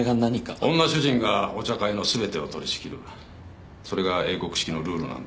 女主人がお茶会のすべてを取りしきるそれが英国式のルールなんだよ